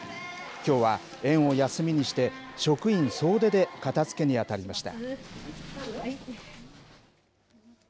きょうは園を休みにして、職員総出で片づけに当たりました。